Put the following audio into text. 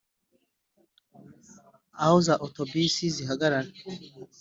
aho za otobisi zihagarara